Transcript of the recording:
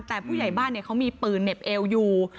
แต่ผู้ใหญ่บ้านเขามีปืนเหน็บเอวอยู่